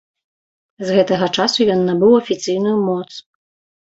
З гэтага часу ён набыў афіцыйную моц.